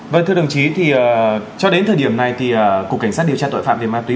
vâng thưa đồng chí thì cho đến thời điểm này thì cục cảnh sát điều tra tội phạm về ma túy